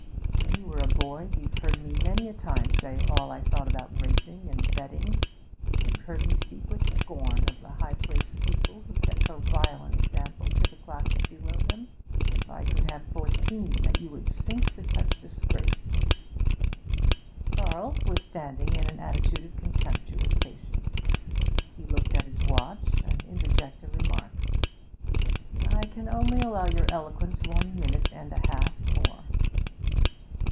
When you were a boy, you've heard me many a time say all I thought about racing and betting; you've heard me speak with scorn of the high placed people who set so vile an example to the classes below them. If I could have foreseen that you would sink to such disgrace!' Charles was standing in an attitude of contemptuous patience. He looked at his watch and interjected a remark. 'I can only allow your eloquence one minute and a half more.'